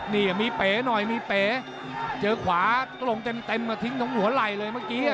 นี่มีเป๋หน่อยมีเป๋เจอขวาตรงเต็มมาทิ้งตรงหัวไหล่เลยเมื่อกี้